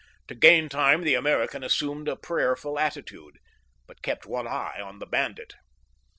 To gain time the American assumed a prayerful attitude, but kept one eye on the bandit.